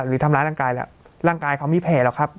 หรือทำร้ายร่างกายแล้วร่างกายเขามีแผลหรอกครับ